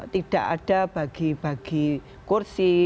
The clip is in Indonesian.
tidak ada bagi bagi kursi